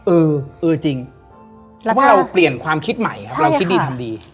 เออเออจริงเมื่อเราเปลี่ยนความคิดใหม่ครับเราคิดดีทำดี